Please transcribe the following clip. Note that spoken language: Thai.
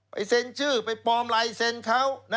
เซ็นชื่อไปปลอมลายเซ็นเขา